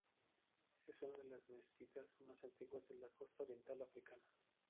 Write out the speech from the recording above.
Es una de las mezquitas más antiguas de la costa oriental africana.